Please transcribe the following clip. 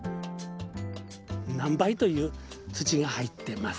何倍という土が入ってます。